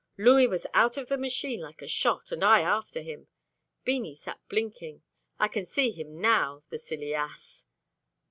Louis was out of the machine like a shot, and I after him. Beanie sat blinking. I can see him now, the silly ass.